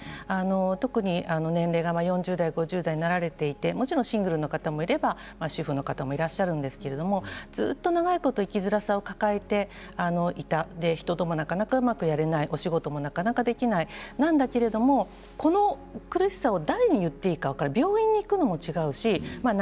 特に年齢が４０代５０代になられていてシングルの方もいれば主婦の方もいらっしゃるんですけどずっと長いこと生きづらさを抱えて人ともうまくできない仕事もなかなかできないけれどもこの苦しさを誰に言っていか分からない。